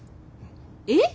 えっ！？